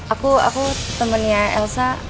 aku aku temennya elsa